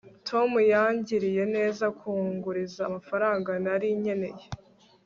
tom yangiriye neza kunguriza amafaranga nari nkeneye